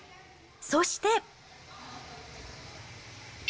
そして。